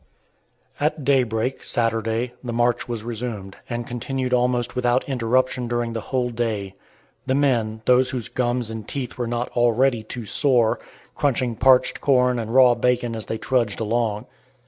At daybreak, Saturday, the march was resumed, and continued almost without interruption during the whole day; the men, those whose gums and teeth were not already too sore, crunching parched corn and raw bacon as they trudged along.